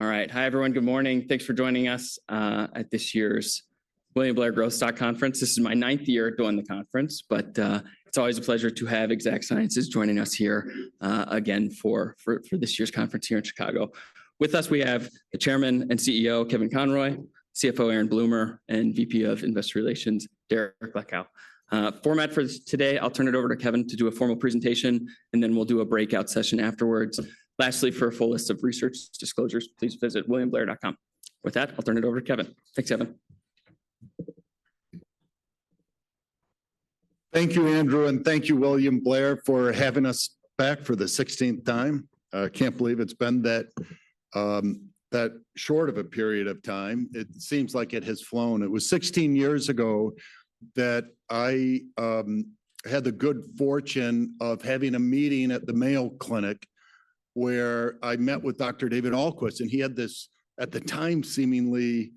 All right. Hi, everyone. Good morning. Thanks for joining us at this year's William Blair Growth Stock Conference. This is my ninth year doing the conference, but it's always a pleasure to have Exact Sciences joining us here again for this year's conference here in Chicago. With us, we have the Chairman and CEO, Kevin Conroy, CFO, Aaron Bloomer, and VP of Investor Relations, Derek Leckow. Format for today, I'll turn it over to Kevin to do a formal presentation, and then we'll do a breakout session afterwards. Lastly, for a full list of research disclosures, please visit williamblair.com. With that, I'll turn it over to Kevin. Thanks, Kevin. Thank you, Andrew, and thank you, William Blair, for having us back for the 16th time. I can't believe it's been that short of a period of time. It seems like it has flown. It was 16 years ago that I had the good fortune of having a meeting at the Mayo Clinic where I met with Dr. David Ahlquist, and he had this, at the time, seemingly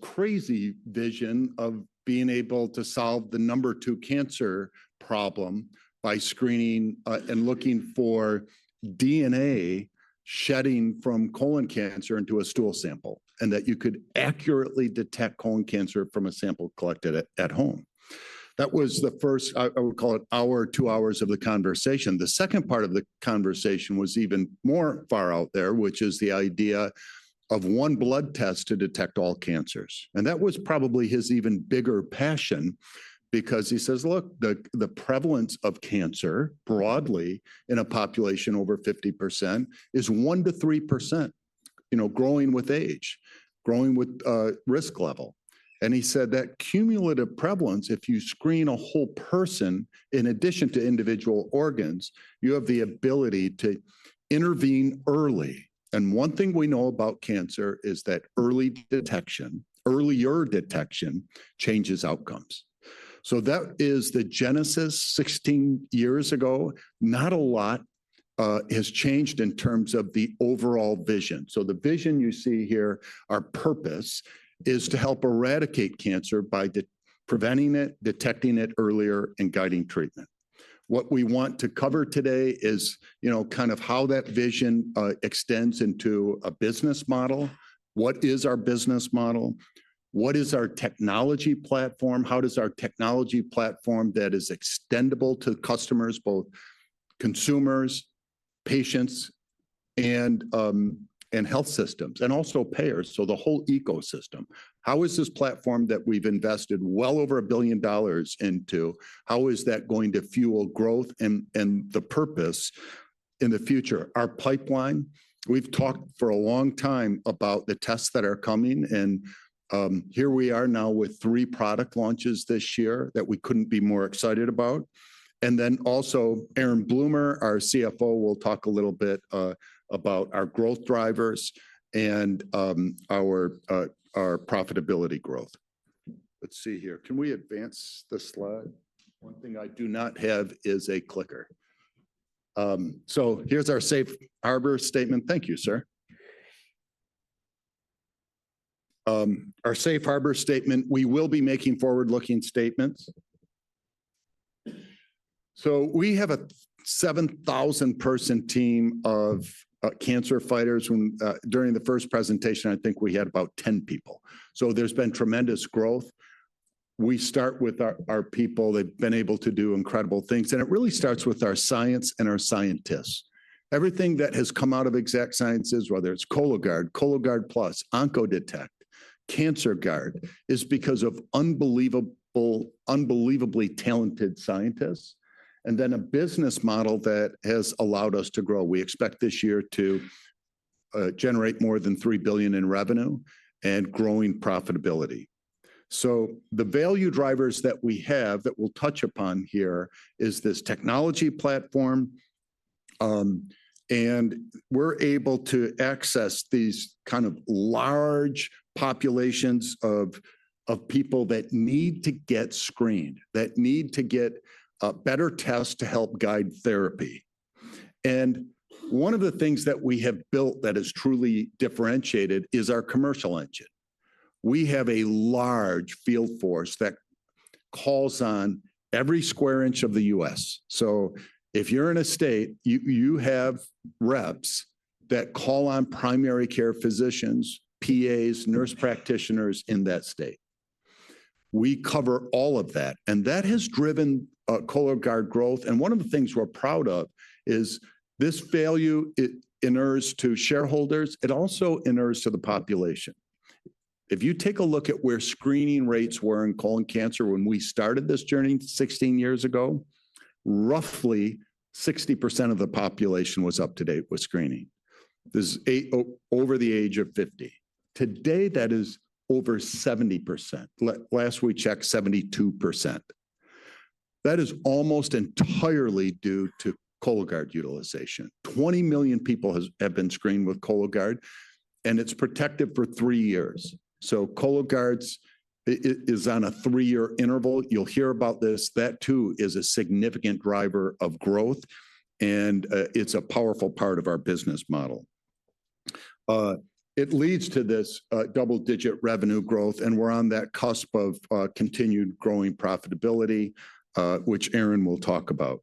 crazy vision of being able to solve the number two cancer problem by screening and looking for DNA shedding from colon cancer into a stool sample, and that you could accurately detect colon cancer from a sample collected at home. That was the first, I would call it, hour, two hours of the conversation. The second part of the conversation was even more far out there, which is the idea of one blood test to detect all cancers. That was probably his even bigger passion because he says, look, the prevalence of cancer broadly in a population over 50% is 1%-3%, you know, growing with age, growing with risk level. He said that cumulative prevalence, if you screen a whole person in addition to individual organs, you have the ability to intervene early. One thing we know about cancer is that earlier detection changes outcomes. That is the genesis 16 years ago. Not a lot has changed in terms of the overall vision. The vision you see here, our purpose is to help eradicate cancer by preventing it, detecting it earlier, and guiding treatment. What we want to cover today is, you know, kind of how that vision extends into a business model. What is our business model? What is our technology platform? How does our technology platform that is extendable to customers, both consumers, patients, and health systems, and also payers? The whole ecosystem. How is this platform that we have invested well over $1 billion into? How is that going to fuel growth and the purpose in the future? Our pipeline, we have talked for a long time about the tests that are coming, and here we are now with three product launches this year that we could not be more excited about. Also, Aaron Bloomer, our CFO, will talk a little bit about our growth drivers and our profitability growth. Let's see here. Can we advance the slide? One thing I do not have is a clicker. Here is our safe harbor statement. Thank you, sir. Our safe harbor statement, we will be making forward-looking statements. We have a 7,000-person team of cancer fighters. During the first presentation, I think we had about 10 people. There has been tremendous growth. We start with our people. They've been able to do incredible things. It really starts with our science and our scientists. Everything that has come out of Exact Sciences, whether it's Cologuard, Cologuard Plus, OncoDetect, Cancerguard, is because of unbelievably talented scientists. Then a business model that has allowed us to grow. We expect this year to generate more than $3 billion in revenue and growing profitability. The value drivers that we have that we'll touch upon here is this technology platform. We're able to access these kind of large populations of people that need to get screened, that need to get better tests to help guide therapy. One of the things that we have built that has truly differentiated is our commercial engine. We have a large field force that calls on every square inch of the U.S. If you're in a state, you have reps that call on primary care physicians, PAs, nurse practitioners in that state. We cover all of that. That has driven Cologuard growth. One of the things we're proud of is this value it inners to shareholders. It also inners to the population. If you take a look at where screening rates were in colon cancer when we started this journey 16 years ago, roughly 60% of the population was up to date with screening. This is over the age of 50. Today, that is over 70%. Last we checked, 72%. That is almost entirely due to Cologuard utilization. 20 million people have been screened with Cologuard, and it's protective for three years. Cologuard's is on a three-year interval. You'll hear about this. That, too, is a significant driver of growth, and it's a powerful part of our business model. It leads to this double-digit revenue growth, and we're on that cusp of continued growing profitability, which Aaron will talk about.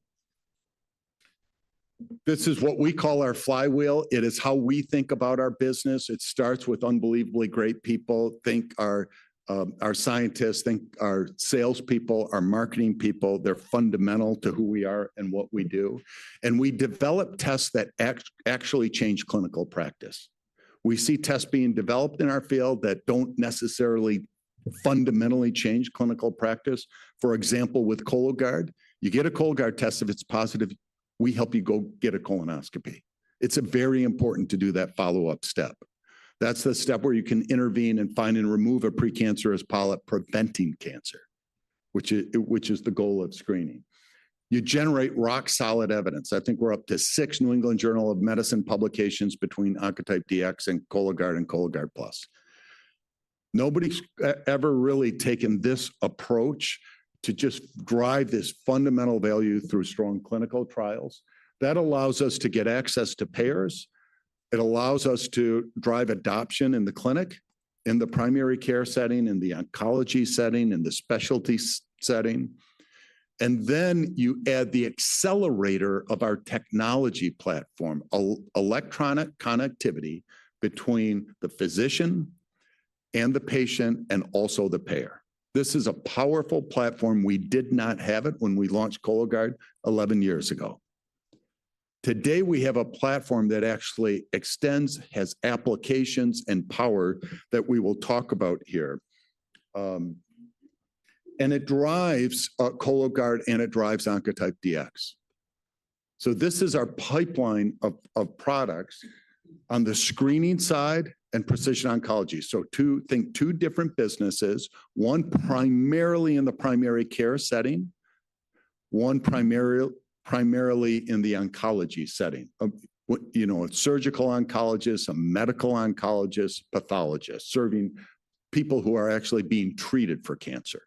This is what we call our flywheel. It is how we think about our business. It starts with unbelievably great people. Think our scientists, think our salespeople, our marketing people. They're fundamental to who we are and what we do. We develop tests that actually change clinical practice. We see tests being developed in our field that don't necessarily fundamentally change clinical practice. For example, with Cologuard, you get a Cologuard test. If it's positive, we help you go get a colonoscopy. It's very important to do that follow-up step. That's the step where you can intervene and find and remove a precancerous polyp preventing cancer, which is the goal of screening. You generate rock-solid evidence. I think we're up to six New England Journal of Medicine publications between Oncotype DX and Cologuard and Cologuard Plus. Nobody's ever really taken this approach to just drive this fundamental value through strong clinical trials. That allows us to get access to payers. It allows us to drive adoption in the clinic, in the primary care setting, in the oncology setting, in the specialty setting. You add the accelerator of our technology platform, electronic connectivity between the physician and the patient and also the payer. This is a powerful platform. We did not have it when we launched Cologuard 11 years ago. Today, we have a platform that actually extends, has applications and power that we will talk about here. It drives Cologuard, and it drives Oncotype DX. This is our pipeline of products on the screening side and precision oncology. Think two different businesses, one primarily in the primary care setting, one primarily in the oncology setting, you know, a surgical oncologist, a medical oncologist, pathologist serving people who are actually being treated for cancer.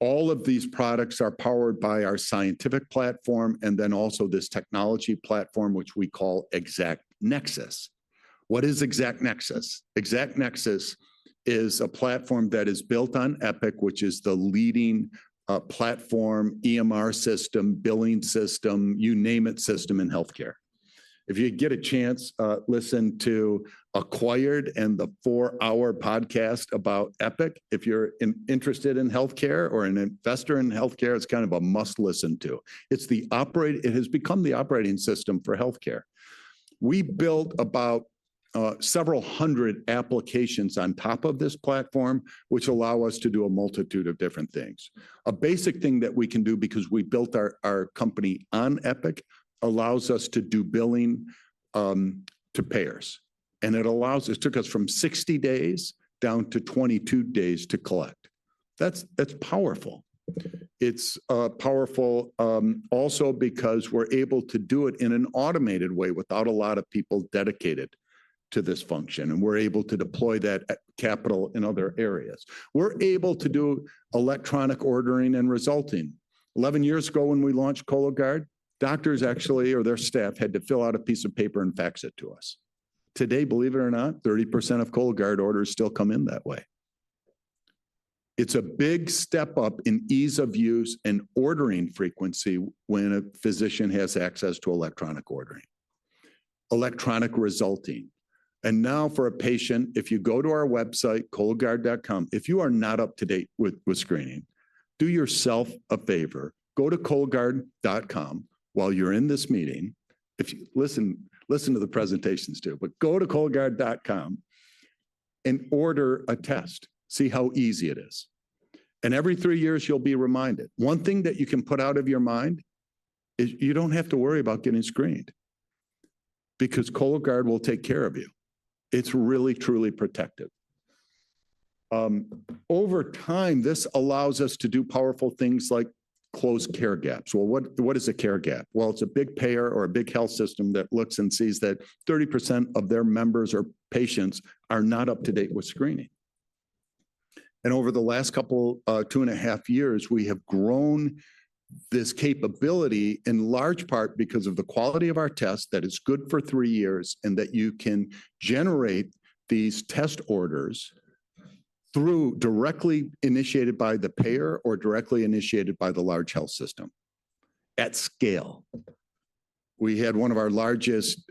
All of these products are powered by our scientific platform and then also this technology platform, which we call ExactNexus. What is ExactNexus? ExactNexus is a platform that is built on Epic, which is the leading platform, EMR system, billing system, you name it, system in healthcare. If you get a chance, listen to Acquired and the four-hour podcast about Epic. If you're interested in healthcare or an investor in healthcare, it's kind of a must listen to. It's the operating system; it has become the operating system for healthcare. We built about several hundred applications on top of this platform, which allow us to do a multitude of different things. A basic thing that we can do because we built our company on Epic allows us to do billing to payers. It allows us, it took us from 60 days down to 22 days to collect. That's powerful. It's powerful also because we're able to do it in an automated way without a lot of people dedicated to this function. We're able to deploy that capital in other areas. We're able to do electronic ordering and resulting. Eleven years ago when we launched Cologuard, doctors actually, or their staff, had to fill out a piece of paper and fax it to us. Today, believe it or not, 30% of Cologuard orders still come in that way. It's a big step up in ease of use and ordering frequency when a physician has access to electronic ordering, electronic resulting. Now for a patient, if you go to our website, cologuard.com, if you are not up to date with screening, do yourself a favor. Go to cologuard.com while you're in this meeting. Listen, listen to the presentations too, but go to cologuard.com and order a test, see how easy it is. Every three years, you'll be reminded. One thing that you can put out of your mind is you don't have to worry about getting screened because Cologuard will take care of you. It's really, truly protective. Over time, this allows us to do powerful things like close care gaps. What is a care gap? It's a big payer or a big health system that looks and sees that 30% of their members or patients are not up to date with screening. Over the last couple, two and a half years, we have grown this capability in large part because of the quality of our test that is good for three years and that you can generate these test orders through directly initiated by the payer or directly initiated by the large health system at scale. We had one of our largest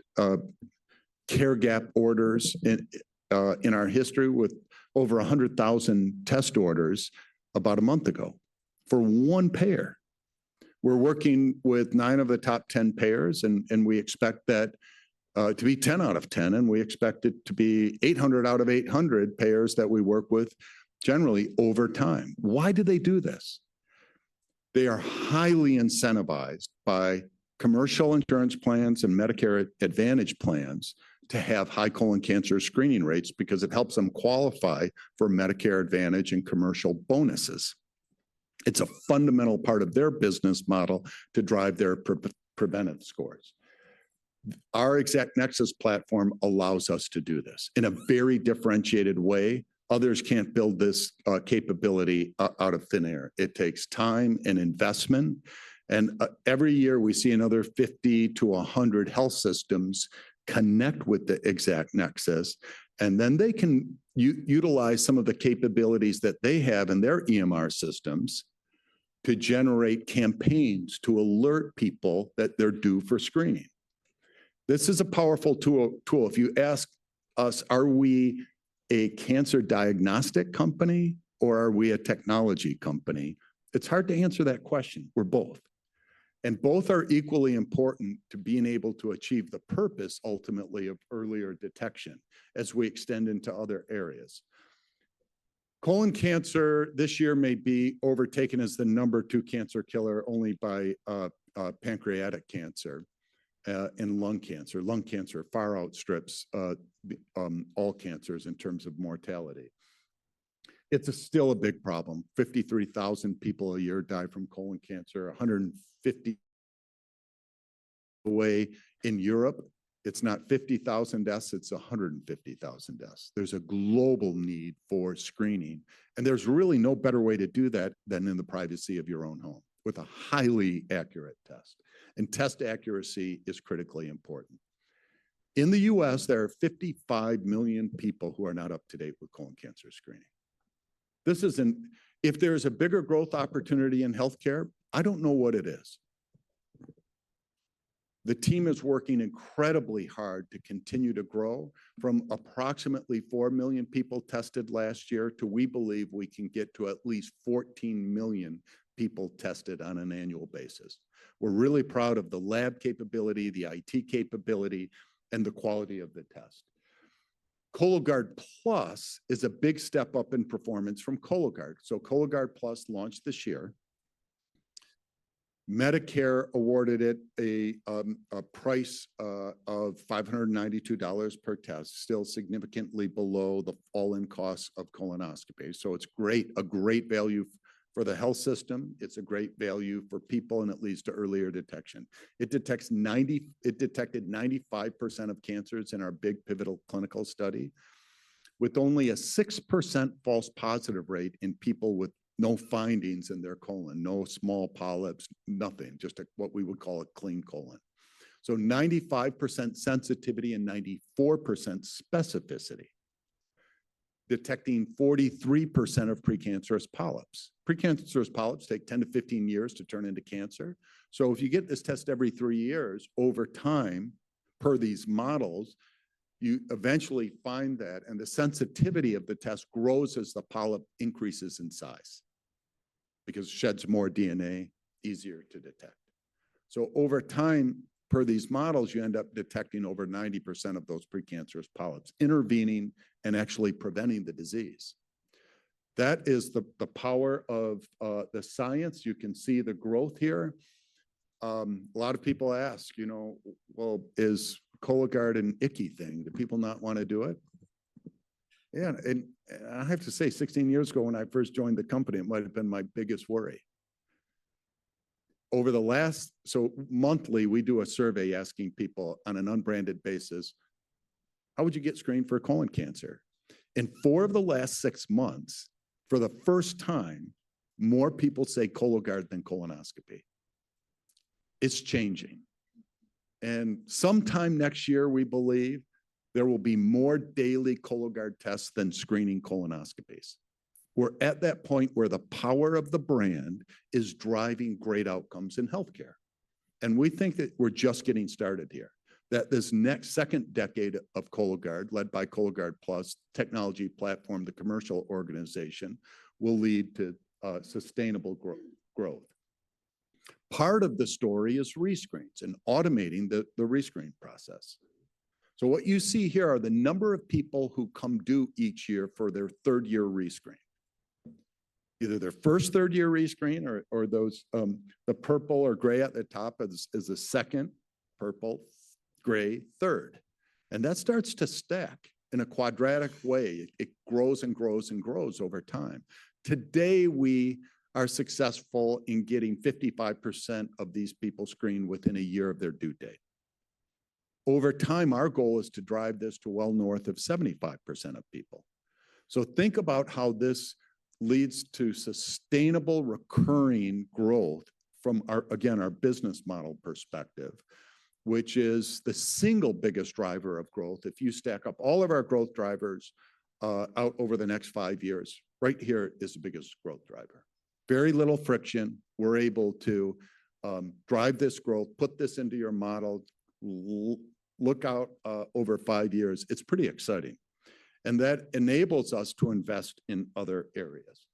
care gap orders in our history with over 100,000 test orders about a month ago for one payer. We're working with nine of the top 10 payers, and we expect that to be 10 out of 10, and we expect it to be 800 out of 800 payers that we work with generally over time. Why do they do this? They are highly incentivized by commercial insurance plans and Medicare Advantage plans to have high colon cancer screening rates because it helps them qualify for Medicare Advantage and commercial bonuses. It's a fundamental part of their business model to drive their preventive scores. Our ExactNexus platform allows us to do this in a very differentiated way. Others can't build this capability out of thin air. It takes time and investment. Every year, we see another 50-100 health systems connect with the ExactNexus. They can utilize some of the capabilities that they have in their EMR systems to generate campaigns to alert people that they're due for screening. This is a powerful tool. If you ask us, are we a cancer diagnostic company or are we a technology company, it's hard to answer that question. We're both. Both are equally important to being able to achieve the purpose ultimately of earlier detection as we extend into other areas. Colon cancer this year may be overtaken as the number two cancer killer only by pancreatic cancer and lung cancer. Lung cancer far outstrips all cancers in terms of mortality. It's still a big problem. 53,000 people a year die from colon cancer. 150,000 in Europe, it's not 50,000 deaths, it's 150,000 deaths. There's a global need for screening. There's really no better way to do that than in the privacy of your own home with a highly accurate test. Test accuracy is critically important. In the US there are 55 million people who are not up to date with colon cancer screening. If there is a bigger growth opportunity in healthcare, I don't know what it is. The team is working incredibly hard to continue to grow from approximately 4 million people tested last year to we believe we can get tp at least 14 million people tested on an annual basis. We're really proud of th lab capability, the IT capability, and the quality of the test. Cologuard Plus is a big step up in performance from Cologuard. Cologuard Plus launched this year. Medicare awarded it a price of $592 per test, still significantly below the fallen costs of colonoscopy. It's great, a great value for the health system. It's a great value for people and it leads to earlier detection. It detected 95% of cancers in our big pivotal clinical study with only a 6% false positive rate in people with no findings in their colon, no small polyps, nothing, just what we would call a clean colon. Ninety-five percent sensitivity and 94% specificity, detecting 43% of precancerous polyps. Precancerous polyps take 10 to 15 years to turn into cancer. If you get this test every three years, over time, per these models, you eventually find that and the sensitivity of the test grows as the polyp increases in size because it sheds more DNA, easier to detect. Over time, per these models, you end up detecting over 90% of those precancerous polyps, intervening and actually preventing the disease. That is the power of the science. You can see the growth here. A lot of people ask, you know, is Cologuard an icky thing? Do people not want to do it? Yeah. I have to say, 16 years ago when I first joined the company, it might have been my biggest worry. Over the last, so monthly, we do a survey asking people on an unbranded basis, how would you get screened for colon cancer? In four of the last six months, for the first time, more people say Cologuard than colonoscopy. It's changing. Sometime next year, we believe there will be more daily Cologuard tests than screening colonoscopies. We're at that point where the power of the brand is driving great outcomes in healthcare. We think that we're just getting started here, that this next second decade of Cologuard led by Cologuard Plus technology platform, the commercial organization will lead to sustainable growth. Part of the story is rescreens and automating the rescreen process. What you see here are the number of people who come due each year for their third-year rescreen, either their first third-year rescreen or those, the purple or gray at the top is the second purple, gray third. That starts to stack in a quadratic way. It grows and grows and grows over time. Today, we are successful in getting 55% of these people screened within a year of their due date. Over time, our goal is to drive this to well north of 75% of people. Think about how this leads to sustainable recurring growth from our, again, our business model perspective, which is the single biggest driver of growth. If you stack up all of our growth drivers out over the next five years, right here is the biggest growth driver. Very little friction. We're able to drive this growth, put this into your model, look out over five years. It's pretty exciting. That enables us to invest in other areas.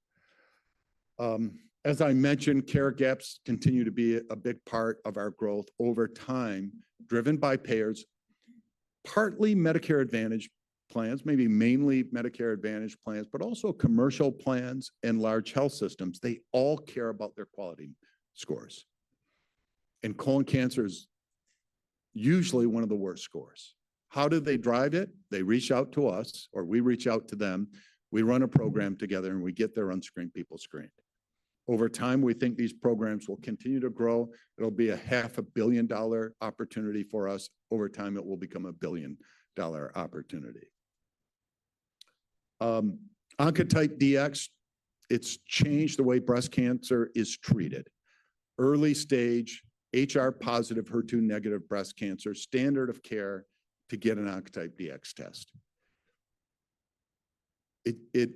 As I mentioned, care gaps continue to be a big part of our growth over time, driven by payers, partly Medicare Advantage plans, maybe mainly Medicare Advantage plans, but also commercial plans and large health systems. They all care about their quality scores. Colon cancer is usually one of the worst scores. How do they drive it? They reach out to us or we reach out to them. We run a program together and we get their unscreened people screened. Over time, we think these programs will continue to grow. It'll be a $500,000,000 opportunity for us. Over time, it will become a $1,000,000,000 opportunity. Oncotype DX, it's changed the way breast cancer is treated. Early stage HR positive, HER2 negative breast cancer, standard of care to get an Oncotype DX test. It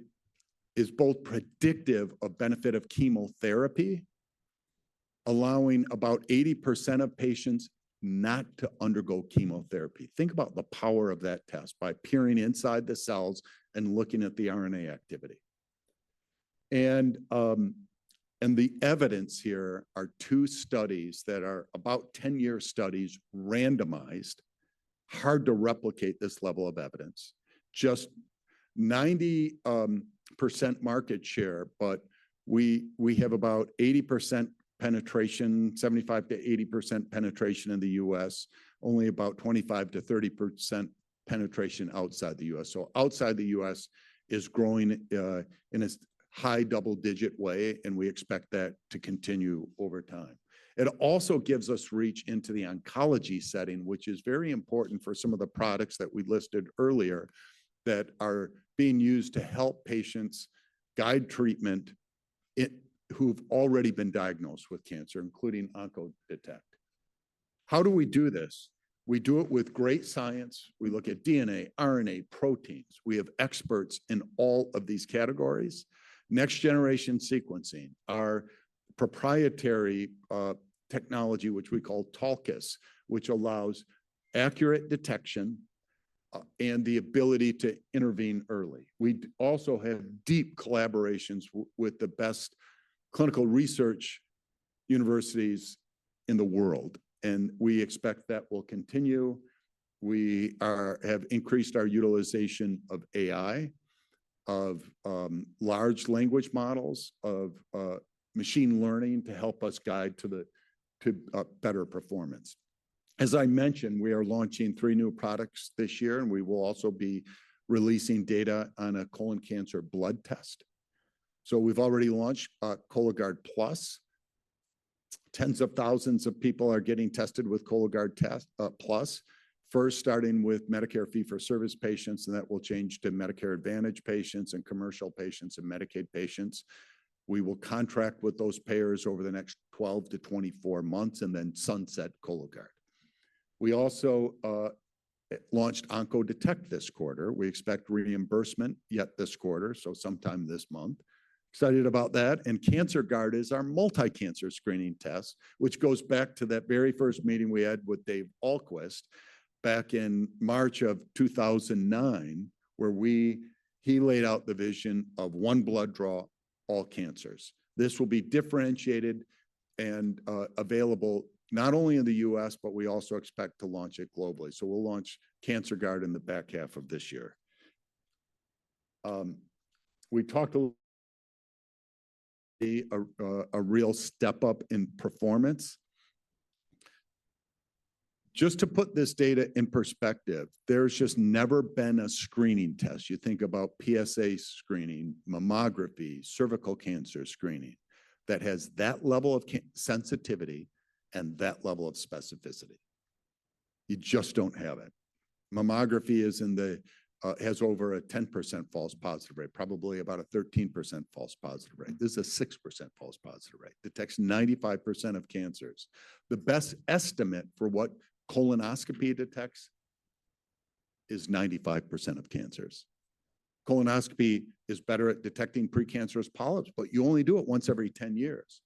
is both predictive of benefit of chemotherapy, allowing about 80% of patients not to undergo chemotherapy. Think about the power of that test by peering inside the cells and looking at the RNA activity. The evidence here are two studies that are about 10-year studies, randomized, hard to replicate this level of evidence, just 90% market share, but we have about 80% penetration, 75%-80% penetration in the U.S., only about 25%-30% penetration outside the U.S. Outside the U.S. is growing in a high double-digit way, and we expect that to continue over time. It also gives us reach into the oncology setting, which is very important for some of the products that we listed earlier that are being used to help patients guide treatment who've already been diagnosed with cancer, including Oncodetect. How do we do this? We do it with great science. We look at DNA, RNA, proteins. We have experts in all of these categories. Next-generation sequencing, our proprietary technology, which we call Tulcus, which allows accurate detection and the ability to intervene early. We also have deep collaborations with the best clinical research universities in the world, and we expect that will continue. We have increased our utilization of AI, of large language models, of machine learning to help us guide to better performance. As I mentioned, we are launching three new products this year, and we will also be releasing data on a colon cancer blood test. We've already launched Cologuard Plus. Tens of thousands of people are getting tested with Cologuard Plus, first starting with Medicare Fee for Service patients, and that will change to Medicare Advantage patients and commercial patients and Medicaid patients. We will contract with those payers over the next 12-24 months and then sunset Cologuard. We also launched Oncodetect this quarter. We expect reimbursement yet this quarter, so sometime this month. Excited about that. Cancerguard is our multi-cancer screening test, which goes back to that very first meeting we had with David Ahlquist back in March of 2009, where he laid out the vision of one blood draw, all cancers. This will be differentiated and available not only in the U.S., but we also expect to launch it globally. We'll launch Cancerguard in the back half of this year. We talked a real step up in performance. Just to put this data in perspective, there's just never been a screening test. You think about PSA screening, mammography, cervical cancer screening that has that level of sensitivity and that level of specificity. You just don't have it. Mammography has over a 10% false positive rate, probably about a 13% false positive rate. This is a 6% false positive rate. Detects 95% of cancers. The best estimate for what colonoscopy detects is 95% of cancers. Colonoscopy is better at detecting precancerous polyps, but you only do it once every 10 years.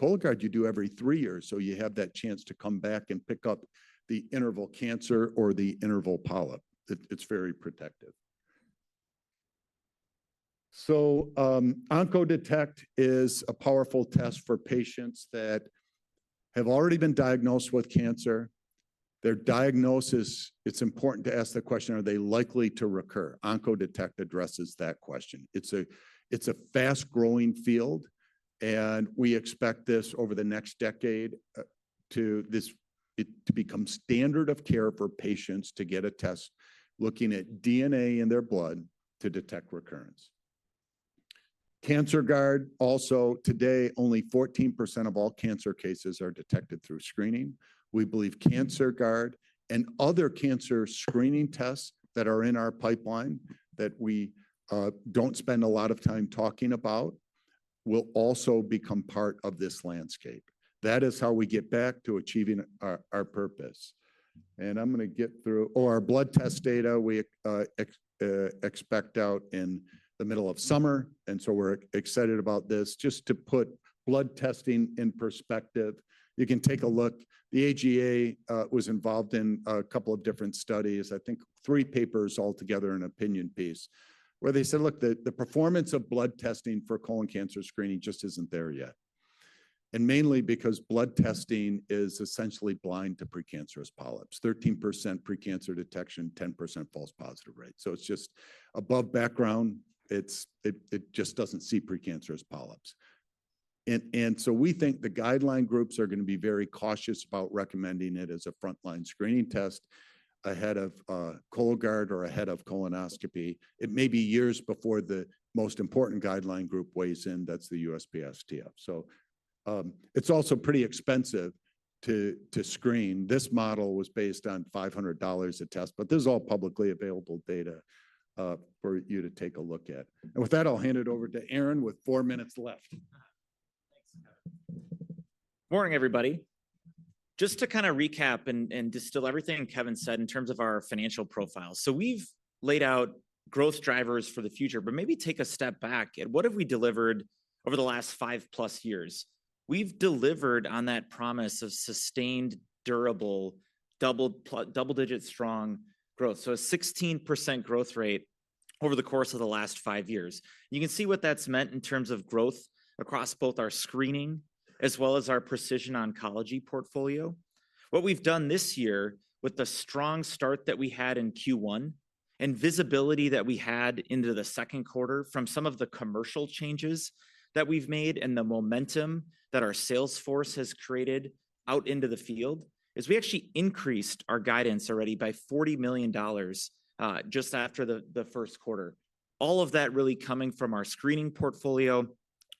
Cologuard, you do every three years, so you have that chance to come back and pick up the interval cancer or the interval polyp. It's very protective. Oncodetect is a powerful test for patients that have already been diagnosed with cancer. Their diagnosis, it's important to ask the question, are they likely to recur? Oncodetect addresses that question. It is a fast-growing field, and we expect this over the next decade to become standard of care for patients to get a test looking at DNA in their blood to detect recurrence. Cancerguard also today, only 14% of all cancer cases are detected through screening. We believe Cancerguard and other cancer screening tests that are in our pipeline that we do not spend a lot of time talking about will also become part of this landscape. That is how we get back to achieving our purpose. I am going to get through our blood test data we expect out in the middle of summer. We are excited about this. Just to put blood testing in perspective, you can take a look. The AGA was involved in a couple of different studies, I think three papers altogether, an opinion piece where they said, "Look, the performance of blood testing for colon cancer screening just isn't there yet." Mainly because blood testing is essentially blind to precancerous polyps, 13% precancer detection, 10% false positive rate. It is just above background. It just does not see precancerous polyps. We think the guideline groups are going to be very cautious about recommending it as a frontline screening test ahead of Cologuard or ahead of colonoscopy. It may be years before the most important guideline group weighs in. That is the USPSTF. It is also pretty expensive to screen. This model was based on $500 a test, but this is all publicly available data for you to take a look at. With that, I will hand it over to Aaron with four minutes left. Good morning, everybody. Just to kind of recap and distill everything Kevin said in terms of our financial profile. We have laid out growth drivers for the future, but maybe take a step back. What have we delivered over the last five plus years? We have delivered on that promise of sustained, durable, double-digit strong growth. A 16% growth rate over the course of the last five years. You can see what that has meant in terms of growth across both our screening as well as our precision oncology portfolio. What we have done this year with the strong start that we had in Q1 and visibility that we had into the second quarter from some of the commercial changes that we have made and the momentum that our sales force has created out into the field is we actually increased our guidance already by $40 million just after the first quarter. All of that really coming from our screening portfolio,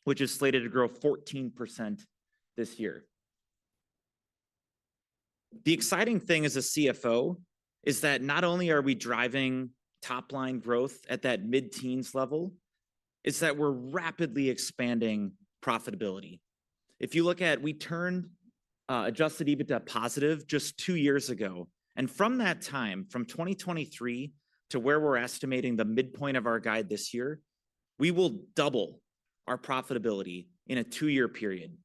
which is slated to grow 14% this year. The exciting thing as a CFO is that not only are we driving top-line growth at that mid-teens level, it's that we're rapidly expanding profitability. If you look at, we turned adjusted EBITDA positive just two years ago. From that time, from 2023 to where we're estimating the midpoint of our guide this year, we will double our profitability in a two-year period.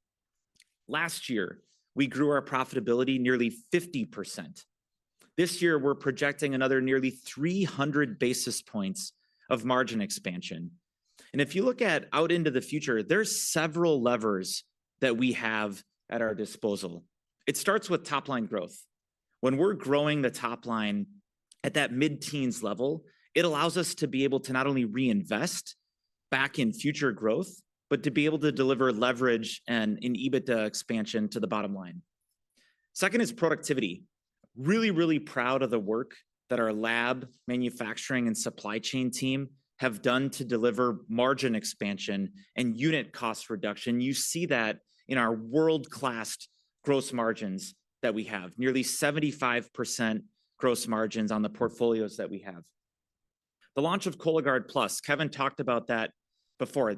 Last year, we grew our profitability nearly 50%. This year, we're projecting another nearly 300 basis points of margin expansion. If you look at out into the future, there are several levers that we have at our disposal. It starts with top-line growth. When we're growing the top-line at that mid-teens level, it allows us to be able to not only reinvest back in future growth, but to be able to deliver leverage and in EBITDA expansion to the bottom line. Second is productivity. Really, really proud of the work that our lab, manufacturing, and supply chain team have done to deliver margin expansion and unit cost reduction. You see that in our world-class gross margins that we have, nearly 75% gross margins on the portfolios that we have. The launch of Cologuard Plus, Kevin talked about that before.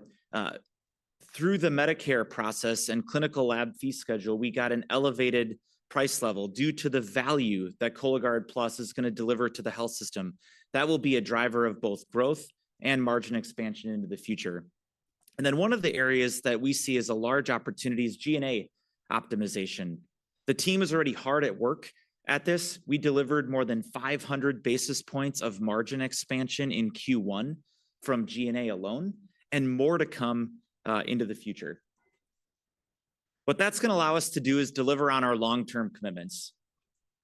Through the Medicare process and clinical lab fee schedule, we got an elevated price level due to the value that Cologuard Plus is going to deliver to the health system. That will be a driver of both growth and margin expansion into the future. One of the areas that we see as a large opportunity is G&A optimization. The team is already hard at work at this. We delivered more than 500 basis points of margin expansion in Q1 from G&A alone and more to come into the future. What that is going to allow us to do is deliver on our long-term commitments.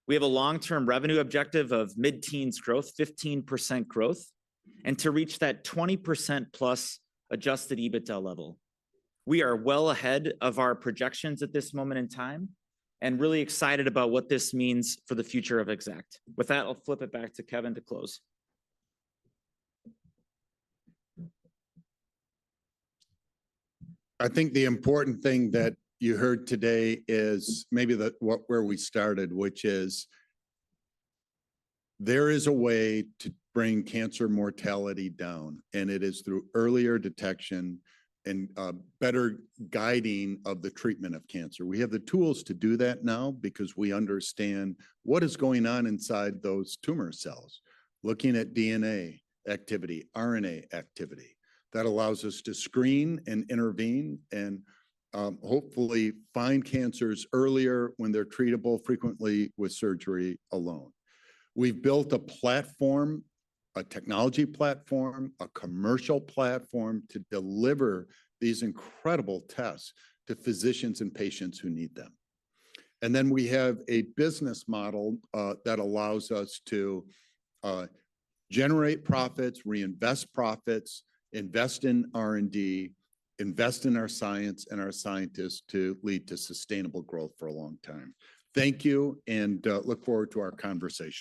We have a long-term revenue objective of mid-teens growth, 15% growth, and to reach that 20% plus adjusted EBITDA level. We are well ahead of our projections at this moment in time and really excited about what this means for the future of Exact Sciences. With that, I will flip it back to Kevin to close. I think the important thing that you heard today is maybe where we started, which is there is a way to bring cancer mortality down, and it is through earlier detection and better guiding of the treatment of cancer. We have the tools to do that now because we understand what is going on inside those tumor cells, looking at DNA activity, RNA activity. That allows us to screen and intervene and hopefully find cancers earlier when they're treatable frequently with surgery alone. We've built a platform, a technology platform, a commercial platform to deliver these incredible tests to physicians and patients who need them. We have a business model that allows us to generate profits, reinvest profits, invest in R&D, invest in our science and our scientists to lead to sustainable growth for a long time. Thank you and look forward to our conversation.